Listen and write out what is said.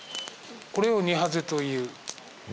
「これを２ハゼという」